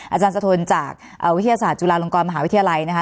อาจารย์สะทนจากวิทยาศาสตร์จุฬาลงกรมหาวิทยาลัยนะคะ